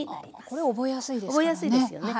これ覚えやすいですからね。